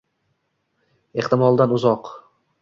Ehtimoldan uzoq